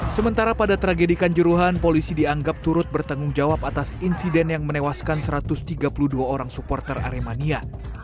sementara pada tragedi kanjuruhan polisi dianggap turut bertanggung jawab atas insiden yang menewaskan satu ratus tiga puluh dua orang supporter aremania